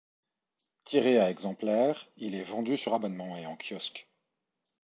Tiré à exemplaires, il est vendu sur abonnement et en kiosques.